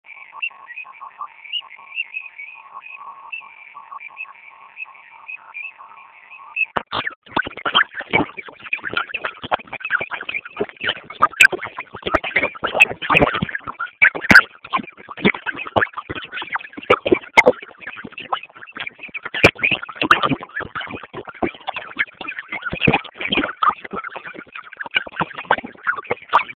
څنګ پر څنګ